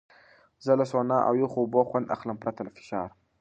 زه له سونا او یخو اوبو خوند اخلم، پرته له فشار.